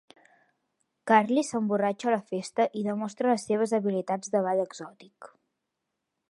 Carly s'emborratxa a la festa i demostra les seves habilitats de ball exòtic.